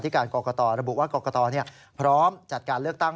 การกรกตระบุว่ากรกตพร้อมจัดการเลือกตั้ง